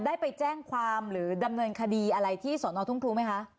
ได้ไปแจ้งความหรือดำเนินคดีอะไรที่สอนอทุ่งครูไหมคะ